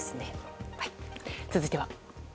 続いては。